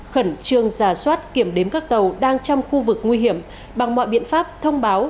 khẩn trương giả soát kiểm đếm các tàu đang trong khu vực nguy hiểm bằng mọi biện pháp thông báo